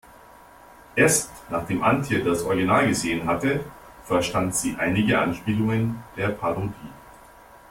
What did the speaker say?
Erst nachdem Antje das Original gesehen hatte, verstand sie einige Anspielungen der Parodie.